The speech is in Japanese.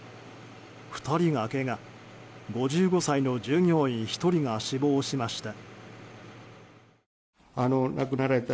２人がけが、５５歳の従業員１人が死亡しました。